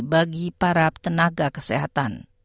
bagi para tenaga kesehatan